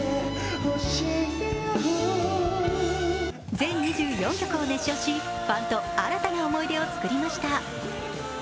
全２４曲を熱唱しファンと新たな思い出を作りました。